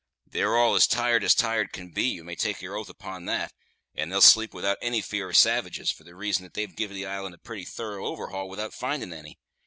They're all as tired as tired can be, you may take your oath upon that; and they'll sleep without any fear of savages, for the reason that they've give the island a pretty thorough overhaul without findin' any.